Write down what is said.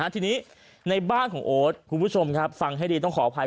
ทีนี้ในบ้านของโอ๊ตคุณผู้ชมฟังให้ดี